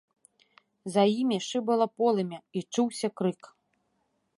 За імі шыбала полымя і чуўся крык.